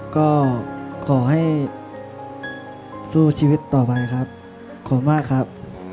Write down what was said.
ก็ขอให้สู้ชีวิตต่อไปครับขอมากครับ